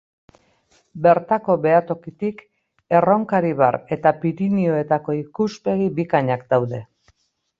Bertako behatokitik Erronkaribar eta Pirinioetako ikuspegi bikainak daude.